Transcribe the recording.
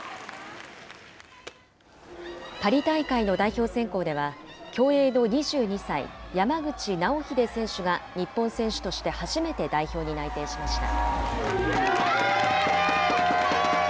パリ大会の代表選考では、競泳の２２歳、山口尚秀選手が日本選手として初めて代表に内定しました。